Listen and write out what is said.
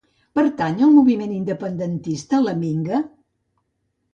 Pertany al moviment independentista la Minga?